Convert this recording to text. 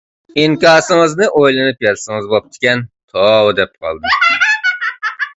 ئىنكاسىڭىزنى ئويلىنىپ يازسىڭىز بوپتىكەن، توۋا دەپ قالدىم.